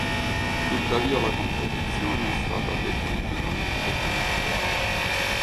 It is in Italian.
Tuttavia la competizione è stata definitivamente cancellata.